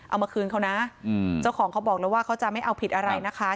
เอามาคืนเขานะเจ้าของเขาบอกแล้วว่าเขาจะไม่เอาผิดอะไรนะคะ